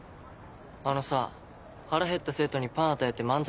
あのさ腹へった生徒にパン与えて満足？